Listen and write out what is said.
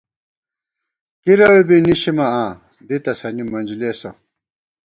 کِرَوے بی نِشِمہ آں ، دی تسَنی منجلېسہ